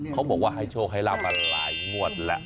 เขาบอกว่าให้โชคให้ลาบมาหลายงวดแล้ว